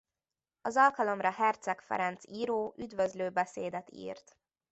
Az alkalomra Herczeg Ferenc író üdvözlő beszédet írt.